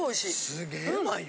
すげぇうまいよ。